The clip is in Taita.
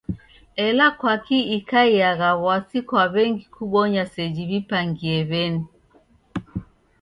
Ela kwaki ikaiagha w'asi kwa w'engi kubonya seji w'ipangie w'eni?